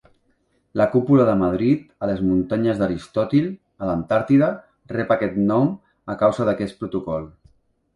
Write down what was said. La cúpula de Madrid, a les muntanyes d'Aristòtil, a l'Antàrtida, rep aquest nom a causa d'aquest protocol.